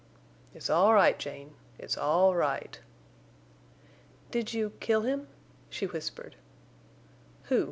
"It's all right, Jane. It's all right." "Did—you—kill—him?" she whispered. "Who?